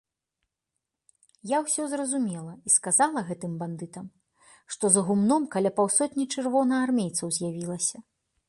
Я ўсё зразумела і сказала гэтым бандытам, што за гумном каля паўсотні чырвонаармейцаў з'явілася.